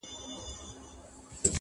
قاسم یار چي په ژړا کي په خندا سي-